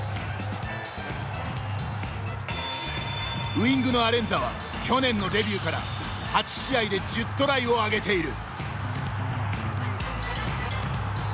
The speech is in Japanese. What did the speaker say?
ウイングのアレンザは去年のデビューから８試合で１０トライを挙げている。